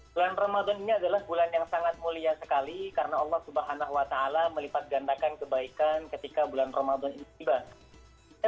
bulan ramadan ini adalah bulan yang sangat mulia sekali karena allah swt melipat gandakan kebaikan ketika bulan ramadan ini tiba